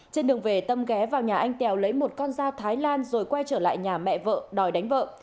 trên đường về tâm ghé vào nhà anh tèo lấy một con dao thái lan rồi quay trở lại nhà mẹ vợ đòi đánh vợ